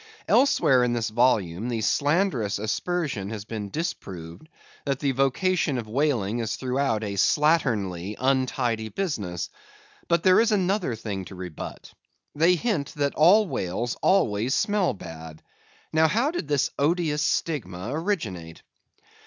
Elsewhere in this volume the slanderous aspersion has been disproved, that the vocation of whaling is throughout a slatternly, untidy business. But there is another thing to rebut. They hint that all whales always smell bad. Now how did this odious stigma originate?